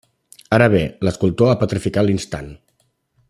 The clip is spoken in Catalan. Ara bé, l'escultor ha petrificat l'instant.